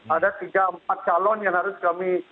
ada tiga empat calon yang harus kami